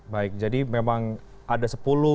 baik jadi memang ada sepuluh